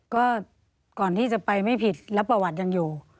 ก็ก่อนที่จะไปไม่ผิดแล้วประวัติยังอยู่